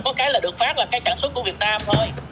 có cái là được phát là cái sản xuất của việt nam thôi